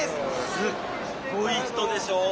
すっごい人でしょ？